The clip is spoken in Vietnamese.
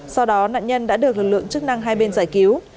sau đó nạn nhân đã được lực lượng chức năng hai bên giải cứu